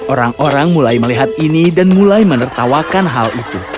orang orang mulai melihat ini dan mulai menertawakan hal itu